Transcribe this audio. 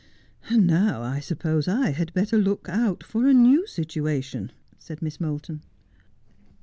' And now I suppose I had better look out for a new situa tion,' said Miss Moulton.